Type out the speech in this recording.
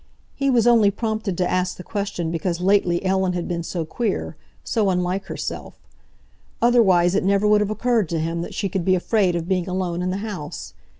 He was only prompted to ask the question because lately Ellen had been so queer, so unlike herself. Otherwise it never would have occurred to him that she could be afraid of being alone in the house.